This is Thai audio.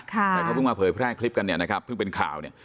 แต่เขาเพิ่งมาเผยแพร่คลิปกันเนี่ยนะครับเพิ่งเป็นข่าวเนี่ย